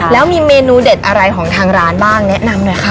แล้วมีเมนูเด็ดอะไรของทางร้านบ้างแนะนำหน่อยค่ะ